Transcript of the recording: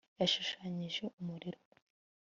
Yashushanyijeho umuriro umwe